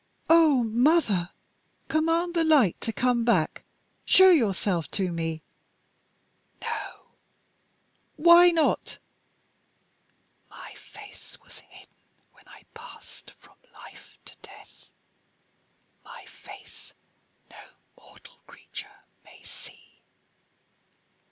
"Oh, mother, command the light to come back! Show yourself to me!" "No." "Why not?" "My face was hidden when I passed from life to death. My face no mortal creature may see."